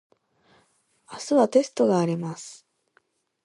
明日はテストがあります。